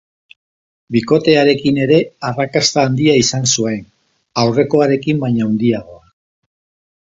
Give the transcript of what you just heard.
Bikote harekin ere arrakasta handia izan zuen, aurrekoarekin baino handiagoa.